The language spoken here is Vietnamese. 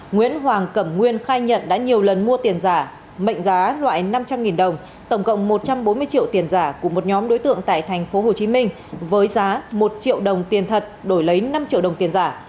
nguyễn hoàng cẩm nguyên khai nhận đã nhiều lần mua tiền giả mệnh giá loại năm trăm linh đồng tổng cộng một trăm bốn mươi triệu tiền giả của một nhóm đối tượng tại tp hcm với giá một triệu đồng tiền thật đổi lấy năm triệu đồng tiền giả